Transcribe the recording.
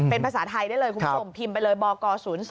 เป็นภาษาไทยได้เลยคุณผู้ชมพิมพ์ไปเลยบก๐๒